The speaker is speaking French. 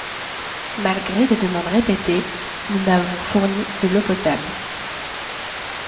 Malgré des demandes répétées, nous n'avons fourni de l'eau potable.